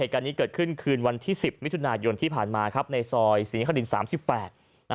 เหตุการณ์นี้เกิดขึ้นคืนวันที่๑๐มิถุนายนที่ผ่านมาครับในซอยศรีนิข้าวดิน๓๘